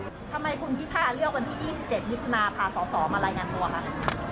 ทำไมคุณพิทาเลือกวันที่๒๗มิถุนาพาสอสอมารายงานตัวคะ